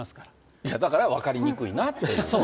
いや、だから分かりにくいなっていう。